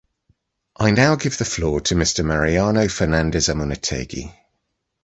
I now give the floor to Mr. Mariano Fernandez Amunategui.